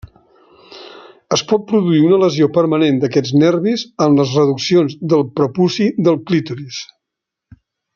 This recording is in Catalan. Es pot produir una lesió permanent d'aquests nervis amb les reduccions del prepuci del clítoris.